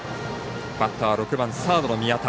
バッター６番、サードの宮田。